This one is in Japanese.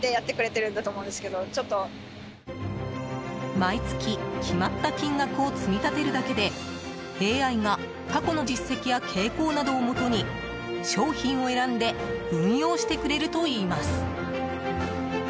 毎月決まった金額を積み立てるだけでＡＩが過去の実績や傾向などをもとに商品を選んで運用してくれるといいます。